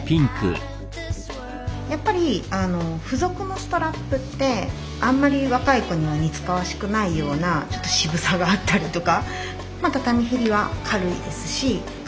やっぱり付属のストラップってあんまり若い子には似つかわしくないようなちょっと渋さがあったりとか。